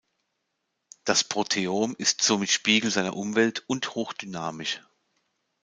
Das Proteom ist somit Spiegel seiner Umwelt und hoch dynamisch.